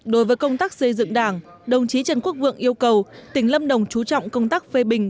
đối với công tác xây dựng đảng đồng chí trần quốc vượng yêu cầu tỉnh lâm đồng chú trọng công tác phê bình